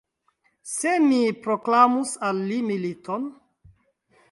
Se mi proklamus al li militon!